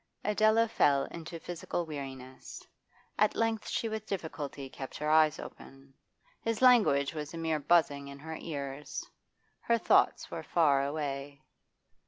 Adela fell into physical weariness; at length she with difficulty kept her eyes open. His language was a mere buzzing in her ears; her thoughts were far away.